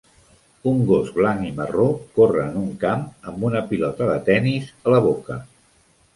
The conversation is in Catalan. Un gos blanc i marró corre en un camp amb una pilota de tenis a la boca